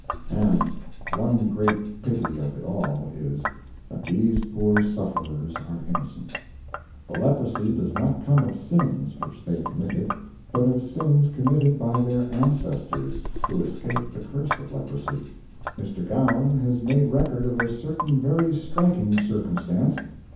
And one great pity of it all is, that these poor sufferers are innocent. The leprosy does not come of sins which they committed, but of sins committed by their ancestors, who escaped the curse of leprosy! Mr. Gowan has made record of a certain very striking circumstance.